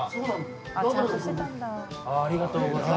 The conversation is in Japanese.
ありがとうございます。